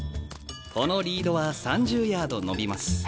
このリードは３０ヤード伸びます。